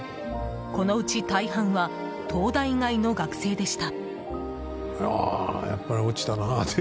このうち、大半は東大以外の学生でした。